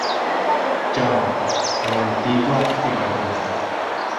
John, en Antigua y Barbuda.